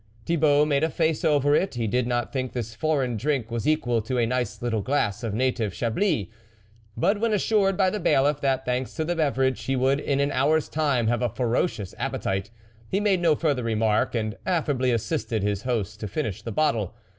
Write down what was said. Thibault made a face over it ; he did not think this foreign drink was equal to a nice little glass of native Chablis ; but when assured by the Bailiff that, thanks to the beverage, he would in an hour's time have a ferocious appetite, he made no further remark, and affably assisted his host to finish the bottle.